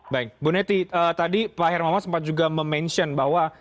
baik bu neti tadi pak hermawan sempat juga memention bahwa